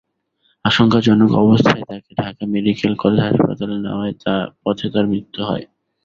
আশঙ্কাজনক অবস্থায় তাঁকে ঢাকা মেডিকেল কলেজ হাসপাতালে নেওয়ার পথে তাঁর মৃত্যু হয়।